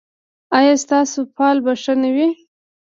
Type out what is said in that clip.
ایا ستاسو فال به ښه نه وي؟